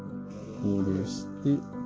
こうして。